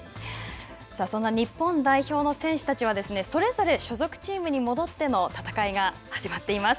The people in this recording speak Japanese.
そんな日本代表の選手たちは、それぞれ所属チームに戻っての戦いが始まっています。